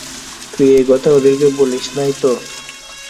তুই এই কথা ওদেরকে বলিস নাই তো?